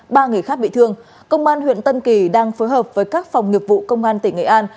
ba người khác bị thương công an huyện tân kỳ đang phối hợp với các phòng nghiệp vụ công an tỉnh nghệ an